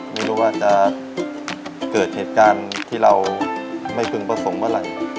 ไม่รู้ว่าจะเกิดเหตุการณ์ที่เราไม่พึงประสงค์เมื่อไหร่